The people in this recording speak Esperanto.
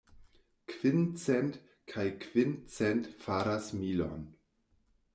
Kvin cent kaj kvin cent faras milon.